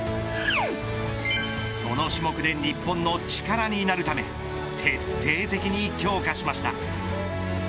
その種目で、日本の力になるため徹底的に強化しました。